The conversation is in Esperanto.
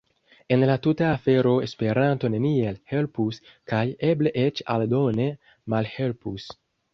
En la tuta afero Esperanto neniel helpus kaj eble eĉ aldone malhelpus.